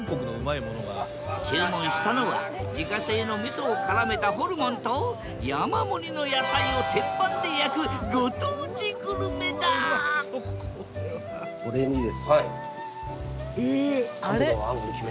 注文したのは自家製のみそをからめたホルモンと山盛りの野菜を鉄板で焼くこれにですね。